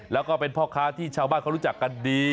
แล้วก็เป็นพ่อค้าที่ชาวบ้านเขารู้จักกันดี